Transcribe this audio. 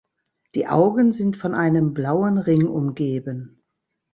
Die Augen sind von einem blauen Ring umgeben.